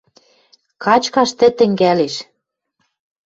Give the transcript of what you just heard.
Качкаш тӹ тӹнгӓлеш.